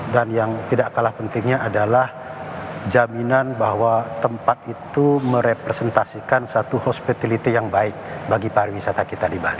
dan yang tidak kalah pentingnya adalah jaminan bahwa tempat itu merepresentasikan satu hospitality yang baik bagi pariwisata kita di bali